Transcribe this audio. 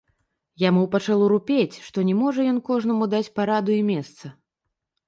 Яму пачало рупець, што не можа ён кожнаму даць параду і месца.